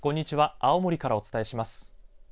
青森からお伝えします。